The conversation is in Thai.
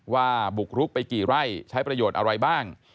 บุกรุกไปกี่ไร่ใช้ประโยชน์อะไรบ้าง